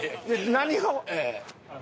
何を。